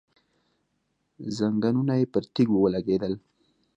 ځنګنونه يې پر تيږو ولګېدل.